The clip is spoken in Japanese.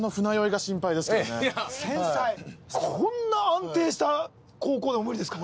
繊細こんな安定した航行でも無理ですか？